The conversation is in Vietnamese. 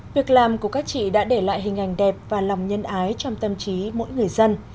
việc làm của các chị đã để lại hình ảnh đẹp và lòng nhân ái trong tâm trí mỗi người dân